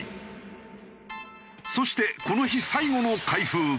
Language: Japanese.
そしてこの日最後の開封。